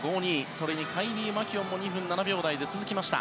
それにカイリー・マキュオンも２分７秒台で続きました。